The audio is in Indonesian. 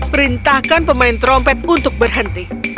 perintahkan pemain trompet untuk berhenti